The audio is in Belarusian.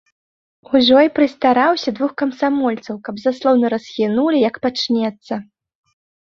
Ужо й прыстараўся двух камсамольцаў, каб заслону расхінулі, як пачнецца.